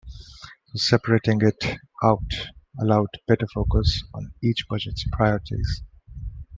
So separating it out allowed better focus on each budget's priorities.